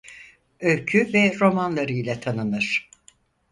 Öykü ve romanlarıyla tanınır.